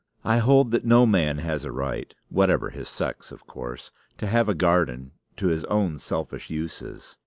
I hold that no man has a right (whatever his sex, of course) to have a garden to his own selfish uses.